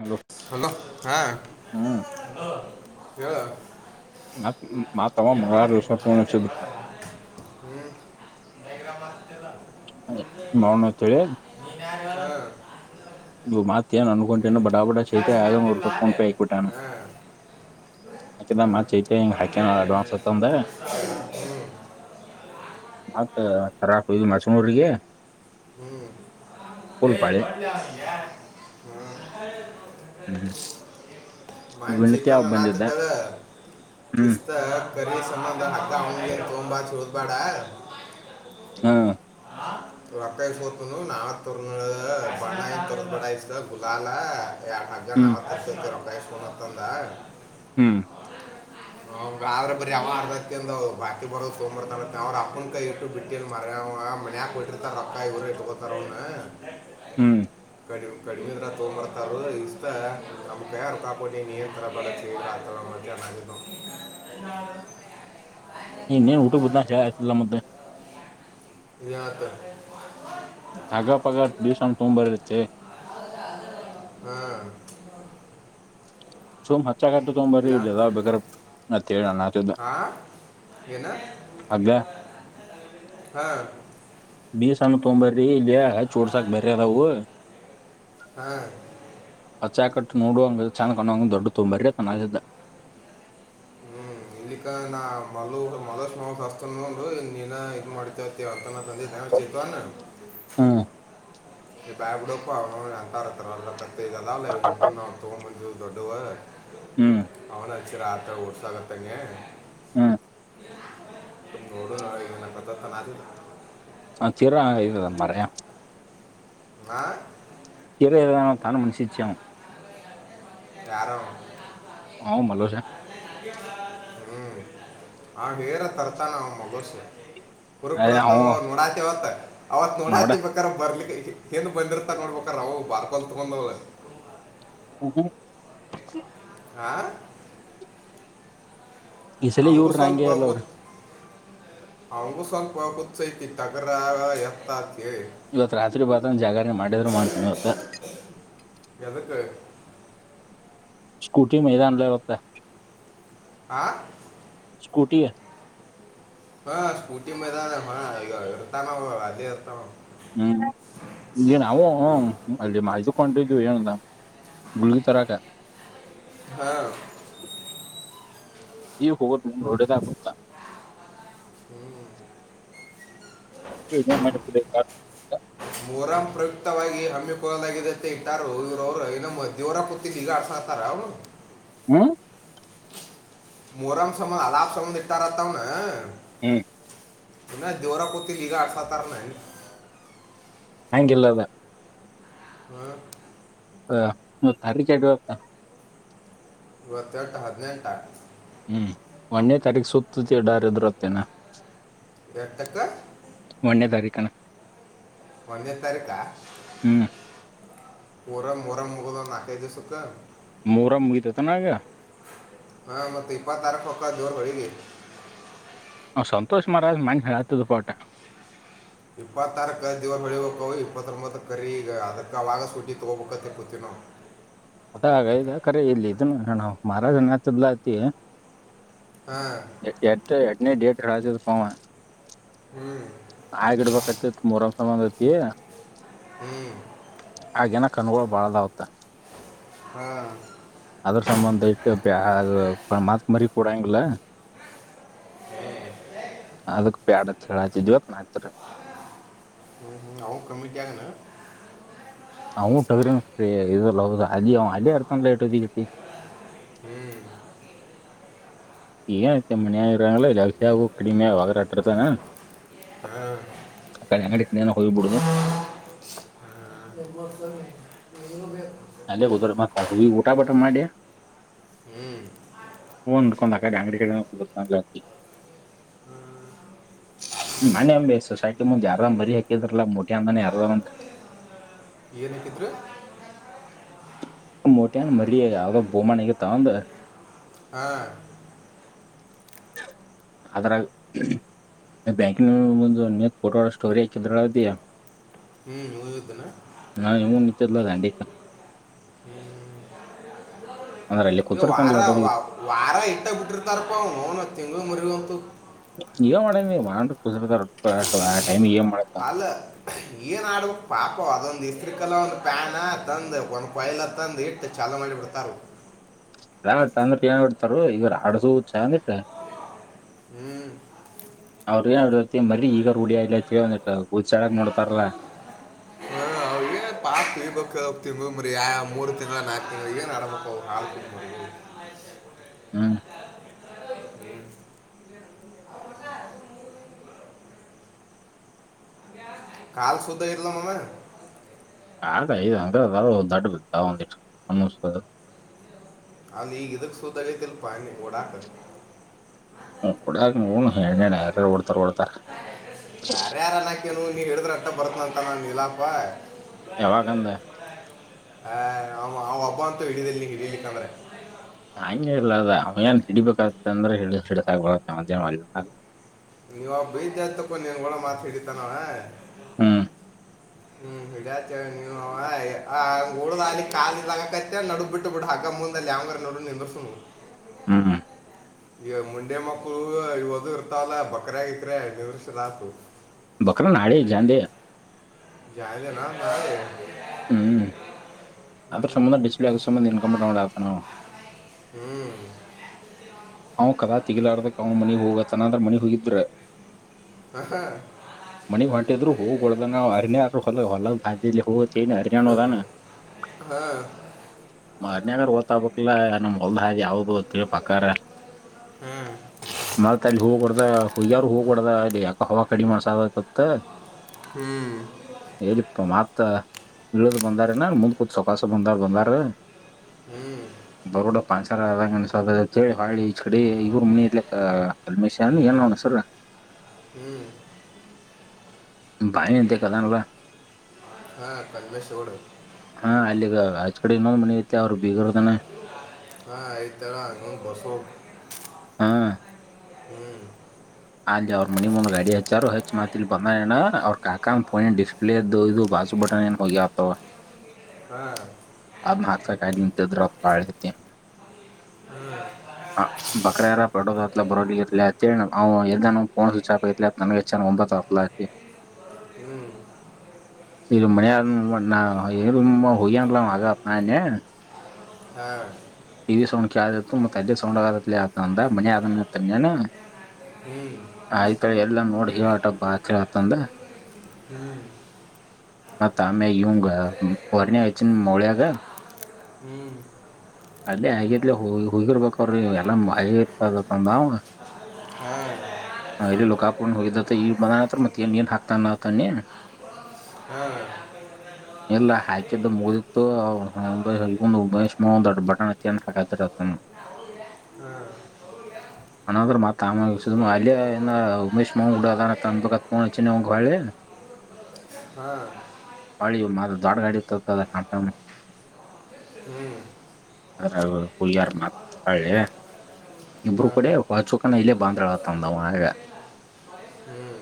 Hello hello ಹಾ ಹ್ಮ್ hello ಹೇಳ. ಮತ್ತ ಮತ್ತ ಅವ ಮಂಗಳಾರ ದಿವಸ ಫೋನ್ ಹಚ್ಚಿದ್ದಪ್ಪ. ಮಾಡೋಣ ಅಂತೇಳಿ [unintelligible] ನೀನು ಯಾರ ಹೇಳು. ನೀವು ಮತಯೇನು ಅನ್ಕೊಂಡೇನ ಹೇಳು? ಬಡಾಬಟಾ ಕಾಸ್ ಚೆತ್ಯ ಆಗ ಬರ್ತಿಲ್ಲ ನೂರ ಫೋನ್ ಅಲ್ಲೇ. ಪೆ ಹಾಕಿಟ್ಟಾನು. ಹಾ, ಹಾ, ಹಾಕ ಚೈತ ಹಾಕಿನೇ ಕೊಂಡೆ ಇಂಗೆ ಅಡ್ವಾನ್ಸ್ತ್ ಸ್ವಲ್ಪ ಅಂತಂದೇ. ಕೆಲ್ಸ. ಹ್ಮ್, [unintelligible] ಫುಲ್ ಪಾಳಿ [unintelligible] ಹ್ಮ್. ಹ್ಮ್ ವಿನತ್ಯ ಒಬ್ಬ ಬಂದಿದ್ದ ಹ್ಮ್ [unintelligible] [unintelligible] ಹಾ [unintelligible] ಹ್ಮ್ [unintelligible] ಹ್ಮ್ [unintelligible] ಹ್ಮ್ [unintelligible] ಕಡಿಮೆ ಆದ್ರ ತೊಂಬ್ರ ತಾರ ಇಷ್ಟ [unintelligible] [unintelligible] ಇನ್ನೇನ್ ಊಟ [unintelligible] ಆಯ್ತಲ್ಲ ಮತ್ತೆ ಏನ್ ಆಯ್ತು. [unintelligible] ಹಾ ಸುಮ್ ಹಚ್ಚ ಕಟ್ಟ ತಗೊ್ಬರ ಇಲ್ಲ ಇಲ್ಲದ ಬೇಗ ಮತ್ತೇಳ ಹೇಳಣ ಹಾ ಏನಾ ಹಗ್ಗ ಹಾ. ಬೀಸಣ್ಣ ತಗೊಂಬರ್ರಿ ಇಲ್ಲಲೇ ಹಚ್ಚಿ ಉರಸಕ್ಕ ಬೆರೆವು ಆದವು. ಹಾ. [unintelligible] [unintelligible] [unintelligible] [unintelligible] ಹ್ಮ್ [unintelligible] ಅವೇ ಅಚ್ಚಿದ್ರೆ ಆಯ್ತು ಉರ್ಸೋಕತಾಡ್ದೆ [unintelligible] ಹ್ಮ್ [unintelligible] ಹಚ್ಚಿದ್ರೆ ಇದು ಮಾರಾಯ. ಹಾಂ [unintelligible] ಯಾರು ಅವ ಮಲೇಶ. ಹ್ಮ್ ಅವ ಹೆರತರ್ತಾನ ಅವ [unintelligible] ಪುರ್ ಅಯ ಪುರ ಅವ ನೋಡಾತಿವತ್ ಅವತ್ ನೋಡ ನೋಡಾತಿ. ಬರ್ಲಿಕ್ಕೆ ಏನ್ ಬಂದಿರ್ತಾ ನೋಡ್ಬೇಕ ಅವವು ಬಾರ್ ಕಲ್ ತಗೊಂಡಂದ. ಹ್ಮ್ ಹಾ. ಈ ಸಲ ಅವನಿಗೂ ಇವ್ರ ನಂಗೆ ಸ್ವಲ್ಪ ಅಲ್ಲ ಅವ್ರ ಗೊತ್ತು. ಅವಂಗುಸನ್ಪ ಕುುಚೈತಿ ತಗರಾಗ ಏತ ಅಂತ ಹೇಳಿ. ಇವತ್ ರಾತ್ರಿ ಬರ್ತಾನೆ ಜಾಗರಣೆ ಮಾಡಿದ್ರು ಮಾಡ್ತೇ ಇವತ್ತು. ಯದಕ್ಕ. ಸ್ಕೂಟಿ ಮೈದಾನದಲ್ಲಿ ಹೊತ್ತ. ಹಾ. ಸ್ಕೂಟಿ. ಹಾ ಸ್ಕೂಟಿ ಮೈದಾನ ಈಗ ಇರ್ತಾನ ಅದೇ ಇರ್ತಾವ. ಹ್ಮ್ ನಾವು ಹ ಅಲ್ಲಿ ಇದುಕ್ಕೆ ಹೊಂಟೀದ್ವಿ. ಗುಳ್ಗಿಲಿ ತರಕ್ಕಾ. ಹಾ ಈಗ ಹೋಗೋದು [unintelligible] [inaudible] [unintelligible] ಮೊಹರಂ ಪ್ರಯುಕ್ತವಾಗಿ ಹಮ್ಮಿಕೊಳ್ಳಲಾಗಿದೆಂತೆ ಇಟ್ಟಾರು ಅವರು ಇನ್ನ [unintelligible] ತಿರ್ಗ ಈಗ ಅರಸ್ತರಅವ್ರು. ಹ್ಮ ಮೊಹಮ ಸಮಾ ಅಲಬ್ ಸಂಬಧ ಇಟ್ಟರಂತವ. ಹ್ಮ್ ದೇವರ ಕೊತ್ತ ಈಗ ಅರಸತರವರೇನು. ಹ್ಯಾಂಗಿಲ್ಲದ. ಹಾ ಹಾ ಮತ್ ಅದ್ದಿಕ್ಕೆ ಯಾಕೆ. ಇವತ್ ಡೇಟ್ ಹದಿನೆಂಟ. ಹ್ಮ್ ಒಂದೇ ತಾರೀಕ ಸುತ್ತಡಾರದರುತ್ತೇನಾ. ಯಾಕ. ಒಂದನೇ ತಾರೀಕು. ಒಂದೇ ತಾರೀಕಾ ಹ್ಮ್ ಮೋರಂ ಮೋರಂ ಮುಗಿದು ಒಂದು ನಾಲ್ಕು ಐದು ದಿವಸಕ್ಕ. ಮೋರಂ ಮುಗೀತೆನ್ನಾ ಅವಾಗ. ಹಾ ಮತ್ತೆ ಇಪ್ಪತ್ತಾರಕ್ ಹಕ್ಕ ದೇವರು ಹೋಳಿಗೆ. ಹ್ ಸಂತೋಷ [unintelligible] ಇಪ್ಪತ್ತಾರಕ್ಕ ದೇವರಾ ಬೆಳೀಬೇಕವು ಇಪ್ಪತ್ತೊಂಬತ್ತ ಕರಿ ಈಗ ಅದಕ್ಕೆ ಅವಾಗ ಸೂಟಿ ತೊಗೋಬೇಕತಿ ಕೂತಿವಿ ನೋಡಿ ಅದಾಗ ಇಖರೆ ಇಲ್ಲಿ ಇದನು ಮಹಾರಾಜನು ಇಲ್ಲಕತಿ ಹಾಂ ಎಷ್ಟ್ ಎಂಟನೇ ಡೇಟ್ ಹ್ಞೂ [unintelligible] [unintelligible] ಹ್ಮ ಆಗಿನ ಕಣ್ಣುಗಳು ಬಾಳಅವ ಅದಕ್ಕ. ಹಾ ಅದ್ರ ಸಂಬಂಧ ಇಟ್ಟ ಮಾತ್ ಮರಿ ಕೊಡಂಗಿಲ್ಲ. [unintelligible] ಹೌ ಮುಂಜಾನೆ. [unintelligible] ಹ್ಞೂ [unintelligible] [unintelligible] ಹಾಂ [unintelligible] ಹೋಗಿಬಿಡೋದು. ಎ ಮತೇ [inaudible] ಇವನು ಬೇಕು. ಅದೇ ಉದ ಮತ್ತ ಹಿ ಊಟ ಬಟ ಮಾಡಿಯಿ. ಹ್ಮ್ ಹ್ಮ್ ಅನ್ನಕೋಂಡ ಆಕಡೆ ಅಂಗಡಿ ಮನೆ ಅಂಬಿ ಸೊಸೈಟಿ ಮುಂದ್ ಯಾರಾಮ್ ಮರಿ ಹಾಕಿದ್ರಲ್ಲ ಮೋಟಿ ಅಂದಾನ ಯಾರ ಒಂದ್. ಯಲ್ ಹಾಕಿದರ್. ಮೋಟ್ಯನ್ ಮರಿ ಯಾವ್ದ ಬೋಮಾನಗತಾ ಆವಂದ್. ಹಾ [inaudible] ಅದರಾಗ್ ಬ್ಯಾಂಕಿನ ನಿಂತ ಫೋಟೋ ಸ್ಟೋರಿ ಹಾಕಿದರು. ಹ್ಮ್ ಹೋಗಿದ್ದನಾ. ನಾವು ಇವ್ ನಿಂತರ್ಲ ಅಡಿಕಾ. ಅಂದ್ರ ಅಲ್ಲಿ ಈಗ ಕುೂತ್ಡ್ಕಂ [inaudible] ವಾರ ಗ ಅಡ ವಾ- ವಾರ ಇಟ್ಟ ಬಿಟ್ಟಿರ್ತಾರಪ್ಪ ಅವನುನು ತಿಂಗಗಳು ಮರಿಗ ಒಂದು. ಏನ್ ಮಾಡ ನೀ ಮಾಡನ್ ಕುಸಿತ ಆ ಟೈಮ ಏನ್ ಮಾಡತನ್. ಅಲ್ಲ ಏನ್ ಆಡು ಬೇಕ ಪಾಪ ಅವಾ ಅದೊಂದು ಇಸ್ತ್ರೀ ಕಲಾ ಒಂದು ಪ್ಯಾನ್ ತಂದು ಒಂದ್ ಕೊಯಲ ತಂದು ಇಟ್ಟು ಚಾಲು ಮಾಡಿ ಬಿಡ್ತಾರ. ಯಾವಟ್ಟ ಅಂದ್ರ ಏನ್ ಬಿಡ್ತಾರ ಇವ್ ಅಡಡ್ಸಚ ಅಂದಿಟ್ಟ. ಹ್ಮ್ ಅವ್ರ ಏನತಿ ಮರೀ ಈಗ ರೂಡಿಯ ಇಲ ಅ ಕೇಳ ಒಂದಿಟ್ಟ ಉಊದ್ಡಕ್ ನೋಡ್ತಾರಲ್ಲಾ [inaudible] ತಿಬೇಕಾವ ತಿಂಗಗಳು ಮರಿಯ ಮೂರು ತಿಂಗಳು ನಾಲ್ಕು ತಿಂಗಳು ಏನ್ ಮಾಡಡಬೇಕ ಅವ ಹಾಲ್ತಿ. ಹ್ಮ್ ಕಾಲು ಸುದ್ದ ಆಗತೇಲೆ ಮಾಮ. ಎ ಐ ಐ ಅದವ ದಡ್ಡು ಬಿದ್ದಾವ್ದಿಂತ ಆಲ್ಮೋಸ್ಟ್. ಅವನ್ ಈಗ ಇದಕ್ ಸೂದ ಆಗೇತಿಲ್ ಪ್ ಓಡಾಕ. ಕುಡಕ್ ಏನ ಯಾರ ಓಡ್ತಾರ [inaudible] ಓಡ್ತಾರ ಏನು ನೀ ಹೇಳಿದ್ರ ಅಟ್ಟ ಬರ್ತನ ಅಂತನಾ ನಿಲಾಪ. ಯಾವಾಗಂದ ಹಾ ಓಬ್ಬವ್ ಅಂತೂ ಹಿಡಲ್ಲಿ ಹಿಡಿಯಲಿಕ್ಕಂದ್ರೆ ಹಂಗೆ ಇಲ್ಲ ಅದ ಅವ್ಯಏನ್ ಹಿಡಿಬೇಕಾಗತ್ತೆ ಅಂದ್ರೆತ್ತೆ ಮಧ್ಯಾಹ್ನ. ನೀವಬ್ಬ ಬೈತನ್ ಕ್ಕೊಂಡ ನೀನ್ಗಳಳ ಮಾತಾ ಹೇಳಿದ್ನಾ. ಹ್ಮ್ [inaudible] ಇಲ್ಲ ನೀ ಕಾಲಿಲ ನಡಗ್ ಬಿಟ್ಟ ಬಿಡು ಹಗ ಮುಂದಲ್ಲಿ ಯಾವಂಗ ನೋಡ. ಹ್ಮ್.. ಹ್ಮ್ ಹ್ಮ್. ಈವ್ ಮಂಡೆ ಮಕ್ಕಳು ಇವು ಇದು ಇರ್ತಾವಲ್ಲ ಬಕ್ರ ಗಿಕ್ರ್ ನಿವಷರಾತು. ಬಕರ ಹಳೆ ಜಂಡೆ. ಜಾಯದ ನಾ ನ [inaudible] ಹ್ಮ್ ಅದ್ರ ಸಂಬಂಧ ಡಿಸಪ್ಲೇ ಆಗ ಸಂಬಂಧ ಇನ್ [inaudible] ಹ್ಮ್ ಅವ್ ಕದಾ ತಿಗಲಾರದಕ್ ಅವ್ ಮನಿ ಹೋಗು ಅಂದ್ರ ಮನಿಗೆ ಹೋಗಿದ್ರೆ. ಹ ಹಾ ಮನೆಗ್ ಹೊಂಟಿದ್ರು ಹೋಗಲ್ದ ನವು ಅರಣ್ಯ ಹ ಹೊಲ ಹೊಲ ಹೋ. ಚನ ಅರಯಾಣ ಅದಾನ [inaudible] ಹಾ ಮಾನ್ನಗರ್ ಗೋತಾಬೇಕಿಲ್ ನಮ್ ಹೊಲದ ಹಾದಿ ಯಾವ್ದು ಅತ್ ಪಕ್ಕಾರ. ಹ್ಮ್ ಮತ್ತ ಅಲ್ಲಿ ಹೋಗೊಡ್ದ ಹುಯಾರ್ ಹೋಗೊಡ್ದ ಅಲ್ಲಿ ಯಾಕ ಹವಾ ಕಡಿಮಿನಸಾಕತ್ತ. ಹು ಹೇರಿಪ್ಪಾ ಮತ್ತ. ಇಳದ ಬಂದಾರನ ಮುಂದ ಕುತ ಸಾವಕಾಸ ಬಂದಾರ ಬಂದಾರ. ಹ್ಮ್ ಬರೋಡ ಪಂಚರ್ ಆದಂಗ ಅನ್ಸಾಕತೆತಿ ಹೇಳಿ ಹೊಳ್ಳಿ. ಛಡೆ ಇವರು ಮನಿ ಇರ್ಲಿಕ್ಕ ಕಲ್ಮೇಶ ಅನ ಏನ್ ನವನ ಹೆಸರ. ಹ್ಮ್ ಬಾವಿಅಂತೇಕ್ಕದಾನಲ್ಲ. ಹ ಕಲ್ಮೇಶೋಡ್ರ. ಹ ಅಲ್ಲಿಗ ಅಚ್ಚಿಕಡೆ ಇನ್ನೊಂದ್ ಮನಿಐತೆ ಅವ್ರು ಬೀಗರ್ದನ. ಹ ಐತ್ತಾಳ. ಹು ಬಸು ಅಂತ. ಹಾ ಹು ಅಲ್ಲಿ ಅವರ ಮನಿ ಮುಂದ ಗಾಡಿ ಹಚ್ಚಾರೊ ಹಚ್ಚಿ ಮತ್ತಿಲ್ಲಿ ಬಂದಾಎನ ಅವರ ಕಾಕಾ ಪೋಯಂಡಿಸ. ಪ್ಲೆಟ್ ದದು ಭಾಜು ಬಟ್ಟನ್ ಎನ ಹೋಗ್ಯವಂತ ತೊ. ಹ ಅದ ಹಾಕ್ಸಕಾಗಿ ನಿಂತಿದ್ರಪಾಳಡತಿ. ಹ್ಮ್ ಅ ಬಕರ್ಯಾರ ಪಡೋದತ್ಲ ಬರೋಲಿ ಗಿಲ್ಲತ್ತೇಳ. ಅವ ಎದ್ದಾನೋ ಫೋನ್ ಸ್ವೀಚ್ ಆಫ್ ಆಗೇತ್ಲ ನನಗ ಹಾಚ್ಚಾನವಾ ಒಂಬತ್ತು ಸಪ ಸತಿ. ಹು ಇದು ಮನ್ಯಾಗ ಇರುಬಹೋಗ್ಯಾನಲ್ಲ ಆಗ ನಾ ಅಂದ್ನಾ. ಹ ಟಿವಿ ಸೌಂಡ್ ಕೇಳಾತ್ತಿತ್ತು ಮತ್ತ ಅಲ್ಲಿ ಸೌಂಡ್ ಆಗತಿಲೆ ಅಂದ ಮನ್ಯಾಗ ಅದನಾ ಅಂತ ಅಂದೇ ನಾನ. ಹು ಆಯತೊ ಎಲ್ಲಾ ನೋಡಿ ಹೇಳಟ ಬಾ ಆತ್ ಆತಂದ. ಹು ಮತ್ತ ಆಮೇಲೆ ಇವಂಗ ಫೋನ್ಯಾಗ ಹಚ್ಚೇನ ಮೌಳ್ಯಾಗ. ಹು ಅಲ್ಲೇ ಆಗೆತ್ಲೆ ಹೊಗಿರ್ಬೇಕಅವರು ಎಲ್ಲಾ ಆಗಿರ್ಬೇಕ ತಂದಾ ಅವಾ. ಹಾ ಹ ಇಲ್ಲಿ ಲೋಕಾಪುರದಿಂದ ಹೋಗಿದ್ದಂತ ಈಗ ಬಂದಾನಂದ್ರ ಮತ್ತ ಏನ್ ಏನ್ ಹಾಕತಾನತನ್ನಿ. ಹ ಇಲ್ಲಾ ಹಾಕಿದ್ದ ಮುಗಿತ್ತು ಅವಂದ ಇವಂದು ಮಹೇಶಮಾವಂದ ಬಟ್. ಹಾ ತಿನ್ನ ಹಾಕೋರೋ ತಿನ್ನ ಹಾಂ ಅನ್ನಂದ್ರ ಮತ್ತ ಆಮ್ಯಾಗ ಅಲ್ಲಿಏನ ಉಮೇಶ್ ಮಾವನ ಕೋಟ ಅದಾನನಂತದು ಫೋನ್ ಹಚ್ಚಿದವಂಗ ಹೊಳ್ಳಿ. ಹಾಂ ಹೊಳ್ಳಿ ಇವರೀಗ ಮಾಲ್ ದೊಡ್ಡ ಗಾಡಿತೊಕದ ಕಟ್ಟನು. ಹು ರಾಘು ಹೋಗ್ಯಾರ ಮತ್ತ ಹೊಳ್ಳಿ. ಇಬ್ಬರು ಹಾಂ ಕೂಡೆ ಹಾಂ ವಾಚುಕನ ಇಲ್ಲೇ ಬಂದ್ರಾಳಂತಂದಾವ ಹೇಳ. ಹ್ಞೂ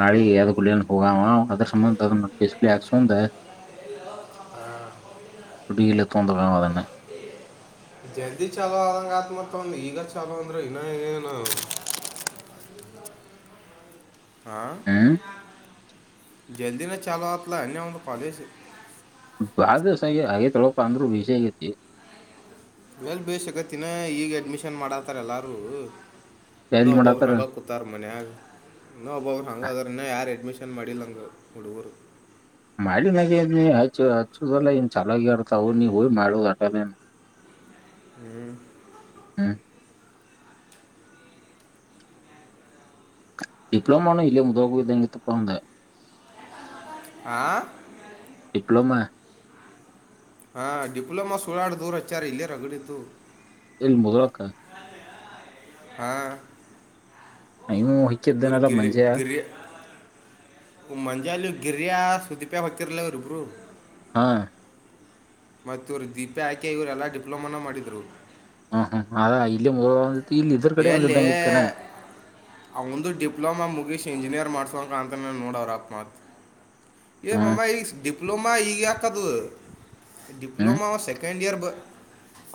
ನಾಳಿಗ ಯದ್ದ ಕೊಡ್ಲೆ ಹೋಗಾವ ಅದ್ರ ಸಂಬಂದ ಅದನ್ನ ಡಿಸ್ಪ್ಲೇ ಹಾಕ್ಸಂದು ಹಾ ತುಡಿಗೆಲೆ ತೊಗೊಂಡಾವ ಅದನ್ನ ಜಲ್ದಿ ಚಲೋವ ಆದಂಗ ಆತ ಮತ್ತ ಅವಂದ ಈಗ ಚಲೋ ಅಂದ್ರ ಇನ್ನಏನ. ಹಾ ಹು ಜಲ್ದಿನ ಚಾಲುವಾತ್ಲ ಅನ್ನೇ ಅವಂದ ಕಾಲೇಜು. ಬಾಳ ದಿವಸ ಹಾಗೆ ತಳಪ್ಪ ಅಂದ್ರು ಬಿಜಿ ಮಾಡೊ ಆಗೈತಿ ಎಲ್ ಬೇಸಕತ್ತಿನ ಈಗ ಅಡ್ಮಿಷನ್ ಮಾಡತಾರ ಎಲ್ಲಾರು ಇನ ಎಲ್ಲಿ ಒಬ್ಬೊಬ್ಬರ ಮಾಡತ್ತಾರ ಹಂಗ ಕೂ ಇತ್ತಾರ ಮನ್ಯಾಗ ಇನ್ನ ಒಬ್ಬಬ್ರು ಹಂಗ ಅದ್ರನ್ನ ಯಾರು ಅಡ್ಮಿಷನ್ ಮಾಡಿಲ್ಲ ಹಂಗ ಹುಡುಗರು ಮಾಡಿ ನಾಗ ನೀ ಹಚ್ಚು ಹಚ್ಚುದಲ್ಲೇ ನ್ ಚಲಾಗಿ ಆರ್ತವು ನೀ ಹೋಗಿ ಮಾಡುದು ಅಟೇ ಹ್ಮ್ ಹ್ಮ್ ಡಿಪ್ಲೋಮಾನು ಇಲ್ಲೆ ಮುದ್ಗಂಗಿತಪ್ಪ ಅಂದೇ ಆ ಡಿಪ್ಲೊಮಾ ಹಾ ಡಿಪ್ಲೊಮಾ ಸುಳಾಡ್ದವ್ರು ಹಚ್ಚಾರ್ ಇಲ್ಲೇ ರಗಡಿತು. ಇಲ್ಲಿ ಮೊದೊಕ್ಕ ಹಾ ಹೈನೂ ಇವ್ರು ಹೈಕ್ಕಿದ್ದೇನಲ್ಲ ಗಿರಿ ಮಂಜ ಮಂಜಾಲೆ ಗಿರಯ ಸುದಿಪ್ಯ ಹೋಗತ್ತತಿರಲಿಲ್ಲ ಇವರಿಬ್ರು. ಹಾ ಮತ್ತೆ ಇವರು ದೀಪೆ ಆಕೆ ಇವರೆಲ್ಲಾ ಡಿಪ್ಲೊಮಾನೊ ಮಾಡದಿರು ಹ್ಮ್ ಹ್ಮ್ ಅ ಇಲ್ಲಿ ಮೂಂದ್ ಇಲ್ಲಿ ಇದ್ರ್ ಕಡೆ ಒಂದ ಇದ್ದಂಗ ಇತ್ತುನ ಅವಂದೂ ಡಿಪ್ಲೊಮಾ ಮುಗೀಸಿ ಇಂಜಿನಿಯರ್ ಮಾಡ್ಸೋಂಗ್ ಅಂತೇ ನೋಡ ಅವ್ರ ಅಪ್ಪ ಮತ್ತ್ ಏ ಹ್ಮ್ ಮಾಮ ಈ ಡಿಪ್ಲೊಮಾ ಈಗಾಕದು ಹ್ಮ್ ಡಿಪ್ಲೋಮಾ ಅ ಸೆಕೆಂಡ್ ಇಯರ್ ಬ್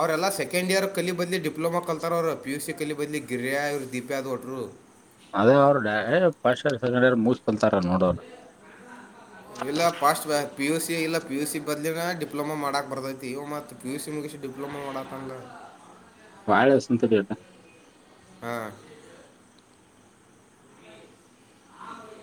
ಅವರೆಲ್ಲ ಸೆಕೆಂಡ್ ಇಯರ್ ಕಲಿ ಬದಲಿ ಡಿಪ್ಲೊಮಾ ಕಲ್ತಾರ ಅವ್ರು ಪಿ ಯು ಸಿ ಕಲಿ ಬದಲಿ ಗಿರಿಯ ಇರು ದೀಪ್ಯಾದ್ ಹೊಟ್ರು ಅದೇ ಅವರು ಪಾಸ್ಟ್ ಮುಸ್ಕೊತಾರ ನೋಡೋರು. ಇಲ್ಲ ಪಾಸ್ಟ್ ಪಿ ಯು ಸಿ ಇಲ್ಲ ಪಿ ಯು ಸಿ ಬದಲಿಗೆ ಡಿಪ್ಲೊಮಾ ಮಾಡಕ್ ಬರ್ದೈತಿ ಇ ಮತ್ ಪಿ ಯು ಸಿ ಮುಗಿಸಿ ಡಿಪ್ಲೋಮಾ ಮಾಡೋಕ್ಕಗಲ್ಲ ಬಾಳೆಸಂತ್ ತಡಿಯಾಕ ಹಾ ಹ